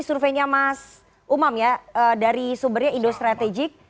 surveinya mas umam ya dari sumbernya indostrategic